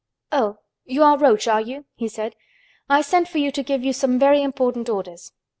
"Oh, you are Roach, are you?" he said. "I sent for you to give you some very important orders."